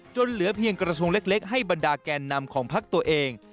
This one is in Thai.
เหลือเพียงกระทรวงเล็กให้บรรดาแกนนำของพักตัวเอง